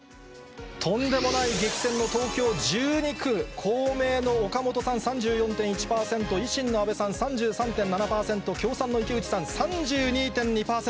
とんでもない激戦の東京１２区、公明の岡本さん、３４．１％、維新の阿部さん３３．７％、共産の池内さん３２．２％。